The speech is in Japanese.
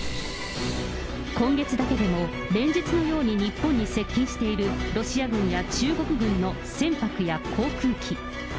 今月だけでも、連日のように日本に接近しているロシア軍や中国軍の船舶や航空機。